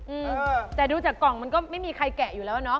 อืมแต่ดูจากกล่องมันก็ไม่มีใครแกะอยู่แล้วเนาะ